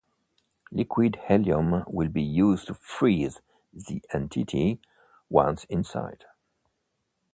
Liquid helium will be used to freeze the entity, once inside.